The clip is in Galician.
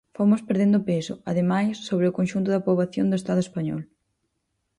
Fomos perdendo peso, ademais, sobre o conxunto da poboación do Estado español.